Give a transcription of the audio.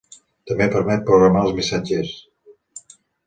També permet programar els missatges.